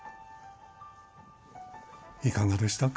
［いかがでしたか？］